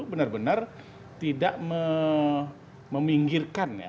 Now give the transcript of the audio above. benar benar tidak meminggirkan ya